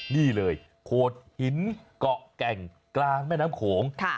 นี่เลยโขดหินเกาะแก่งกลางแม่น้ำโขง